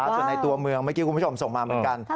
ส่วนในตัวเมืองเมื่อกี้คุณผู้ชมส่งมาเหมือนกัน